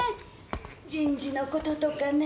人事のこととかねぇ。